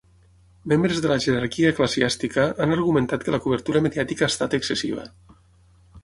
Membres de la jerarquia eclesiàstica han argumentat que la cobertura mediàtica ha estat excessiva.